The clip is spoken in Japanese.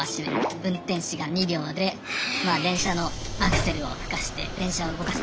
運転士が２秒で電車のアクセルをふかして電車を動かす。